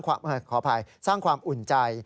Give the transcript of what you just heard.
ขออภัยสร้างความอุ่นใจ